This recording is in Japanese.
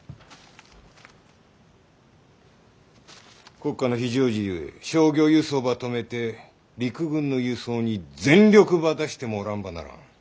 国家の非常時ゆえ商業輸送ば止めて陸軍の輸送に全力ば出してもらわんばならん。